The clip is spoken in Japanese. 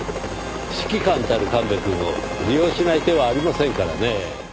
指揮官たる神戸くんを利用しない手はありませんからねぇ。